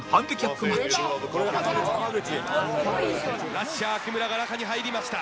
ラッシャー木村が中に入りました。